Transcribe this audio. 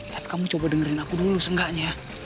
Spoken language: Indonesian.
tapi kamu coba dengerin aku dulu senggaknya